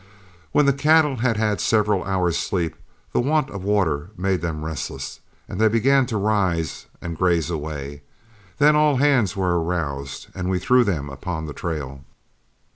When the cattle had had several hours' sleep, the want of water made them restless, and they began to rise and graze away. Then all hands were aroused and we threw them upon the trail.